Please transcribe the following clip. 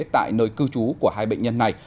tại nơi cư trú của hai bệnh nhân này